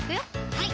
はい